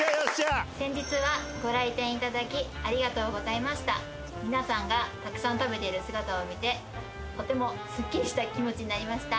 先日はご来店いただきありがとうございました皆さんがたくさん食べている姿を見てとてもすっきりした気持ちになりました